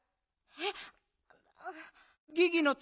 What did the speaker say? えっ？